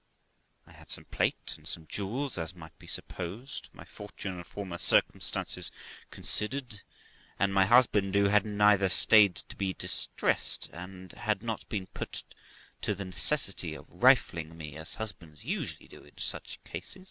I had some plate and some jewels, as might be supposed, my fortune and former circumstances considered ; and my husband, who had never stayed to be distressed, had not been put to the necessity of rifling me, as husbands usually do in such cases.